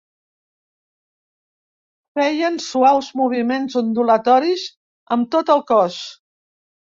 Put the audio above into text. Feien suaus moviments ondulatoris amb tot el cos.